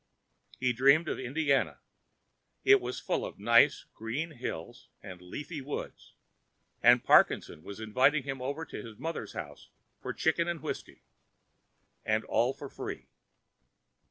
He dreamed of Indiana. It was full of nice, green hills and leafy woods, and Parkinson was inviting him over to his mother's house for chicken and whiskey. And all for free.